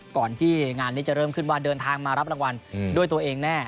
ก่อนที่งานนี้จะเริ่มขึ้นว่าเดินทางมารับรางวัลด้วยตัวเองแน่